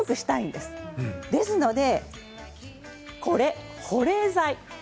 ですので保冷剤